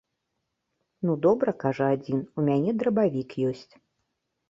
Ну, добра, кажа адзін, у мяне драбавік ёсць.